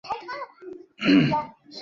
妻子赵曾玖则任职于贵州省科委。